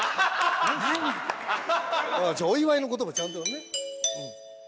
お祝いの言葉ちゃんとね。